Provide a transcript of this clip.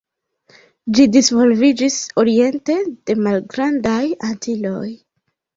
Ĝi disvolviĝis oriente de Malgrandaj Antiloj.